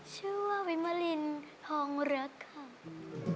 ชื่อว่าวิทย์มารินทองเลือดครับ